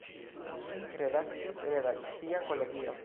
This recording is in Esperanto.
Ĝin redaktis „redakcia kolegio“.